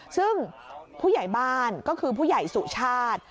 ซึ่งผู้ใหญ่บ้านก็คือผู้ใหญ่สุชาติ